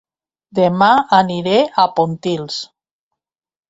Dema aniré a Pontils